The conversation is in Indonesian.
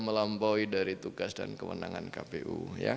melampaui dari tugas dan kewenangan kpu